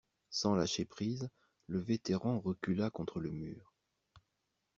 Sans lâcher prise, le vétéran recula contre le mur.